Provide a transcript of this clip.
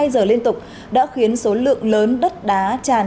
hai giờ liên tục đã khiến số lượng lớn đất đá tràn